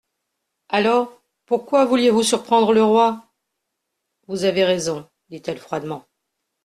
Alors, pourquoi vouliez-vous surprendre le roi ? Vous avez raison, dit-elle froidement.